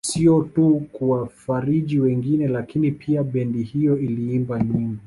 Sio tu kuwafariji wengine lakini pia bendi hiyo iliimba nyimbo